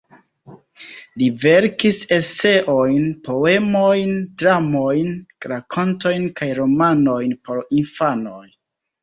Li verkis eseojn, poemojn, dramojn, rakontojn kaj romanojn por infanoj.